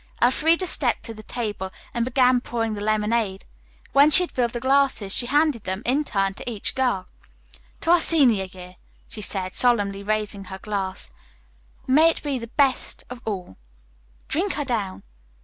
Elfreda stepped to the table and began pouring the lemonade. When she had filled the glasses she handed them, in turn, to each girl. "To our senior year," she said solemnly, raising her glass. "May it be the best of all. Drink her down."